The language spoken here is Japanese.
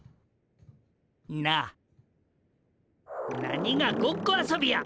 な何がごっこ遊びや。